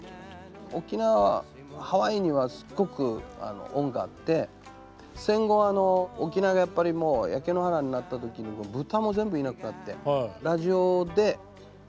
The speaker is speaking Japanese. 沖縄はハワイにはすっごく恩があって戦後あの沖縄がやっぱりもう焼け野原になった時に豚も全部いなくなってラジオで呼びかけてラジオ番組で。